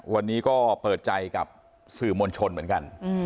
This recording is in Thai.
วันนี้ก็เปิดใจกับสื่อมวลชนเหมือนกัน